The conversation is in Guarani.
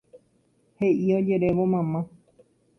He'i ojerévo mamá.